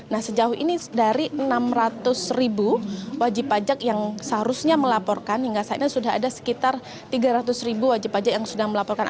nah sejauh ini dari enam ratus ribu wajib pajak yang seharusnya melaporkan hingga saat ini sudah ada sekitar tiga ratus ribu wajib pajak yang sudah melaporkan